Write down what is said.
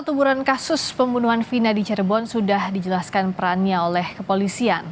teguran kasus pembunuhan vina di cirebon sudah dijelaskan perannya oleh kepolisian